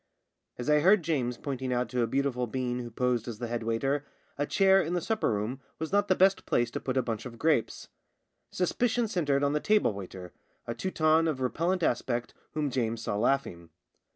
As I heard James pointing out to a beautiful being who posed as the head waiter, a chair in the supper room was not the best place to put a bunch of grapes. Suspicion centred on the table waiter, a Teuton of repellent aspect whom James saw laughing.